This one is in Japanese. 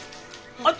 あっ！